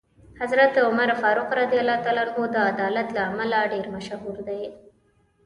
حضرت عمر فاروق رض د عدالت له امله ډېر مشهور دی.